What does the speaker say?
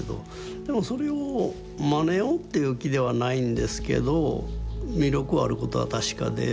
でもそれをまねようっていう気ではないんですけど魅力あることは確かで。